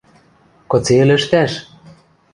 – Кыце ӹлӹжтӓш?